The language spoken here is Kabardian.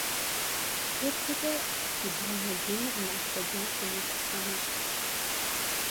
Теплъэкӏэ фибриногеныр налъэ джафэм е кусэм ещхьщ.